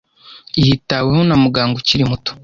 Yitaweho na muganga ukiri muto.